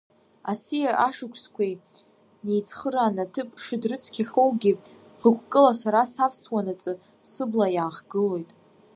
Аси, ашықәсқәеи неицхырааны аҭыԥ шыдрыцқьахьоугьы, хықәкыла сара савсуанаҵы сыбла иаахгылоит.